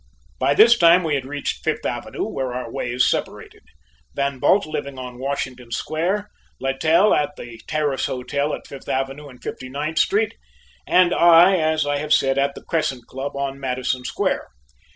By this time we had reached Fifth Avenue, where our ways separated, Van Bult living on Washington Square, Littell at the Terrace Hotel, at Fifth Avenue and Fifty ninth Street, and I, as I have said, at the Crescent Club, on Madison Square.